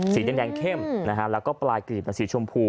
สีแดงเข้มนะฮะแล้วก็ปลายกลีบเป็นสีชมพู